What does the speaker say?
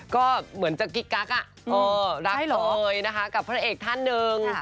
ก็เหมือนจะกิ๊กกักรักเลยนะคะกับพระเอกท่านหนึ่ง